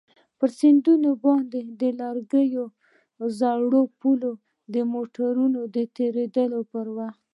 پر سيند باندى د لرګيو زوړ پول د موټرانو د تېرېدو پر وخت.